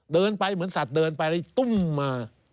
เดินไปเหมือนสัตว์เดินไปแล้วตุ้มมา